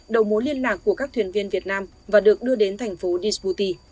đầu mối liên lạc của các thuyền viên việt nam và được đưa đến thành phố dsputi